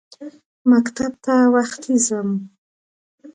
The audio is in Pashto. مکتب ته وختي ځم.